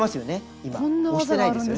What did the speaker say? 今押してないですよね。